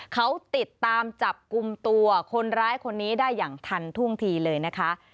เขาติดตามจับกลุ่มตัวคนร้ายคนนี้ได้อย่างทันท่วงทีเลยนะคะ